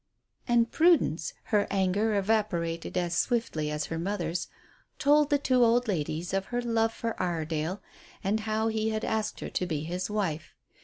And Prudence, her anger evaporated as swiftly as her mother's, told the two old ladies of her love for Iredale, and how he had asked her to be his wife.